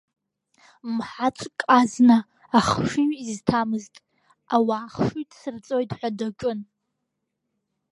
Мҳаҵәк азна ахшыҩ изҭамызт, ауаа ахшыҩ дсырҵоит ҳәа даҿын!